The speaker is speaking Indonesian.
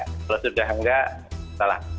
kalau sudah nggak salah